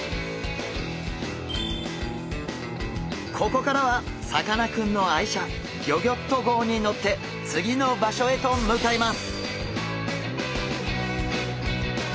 ここからはさかなクンの愛車ギョギョッと号に乗って次の場所へと向かいます。